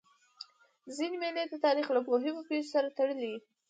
ځيني مېلې د تاریخ له مهمو پېښو سره تړلي يي.